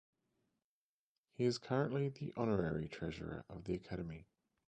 He is currently the Honorary Treasurer of the Academy.